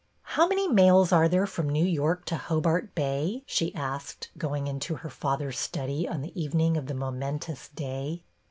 '' How many mails are there from New York to Hobart Bay?" she asked, going into her fa ther's study on the evening of the momentous day.